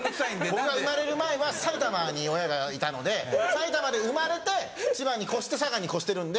僕が生まれる前は埼玉に親がいたので埼玉で生まれて千葉に越して佐賀に越してるんで。